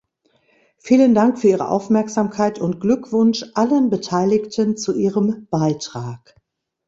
Vielen Dank für Ihre Aufmerksamkeit und Glückwunsch allen Beteiligten zu ihrem Beitrag.